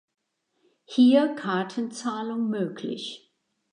Hier Kartenzahlung möglich.